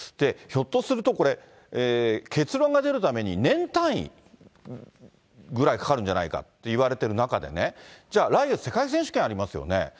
ひょっとするとこれ、結論が出るために年単位ぐらいかかんじゃないかっていわれてる中で、じゃあ来月、世界選手権ありますよね。